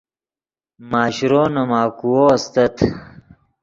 ماشرو نے ماکوؤ استت